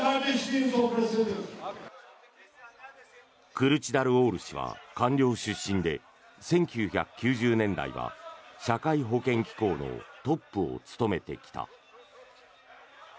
クルチダルオール氏は官僚出身で１９９０年代は社会保険機構のトップを務めてきた。